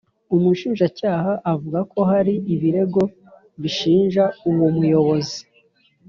Umushinjacyaha avuga ko hari ibirego bishinja uwo muyobozi